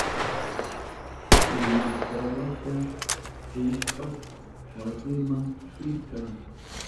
Urmashkanwasha kuhushpa wasinma kutirka.